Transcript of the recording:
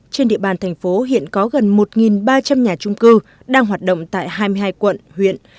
trên địa bàn thành phố hiện có gần một ba trăm linh nhà trung cư đang hoạt động tại hai mươi hai quận huyện